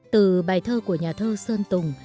từ bài thơ của nhà thơ sơn tùng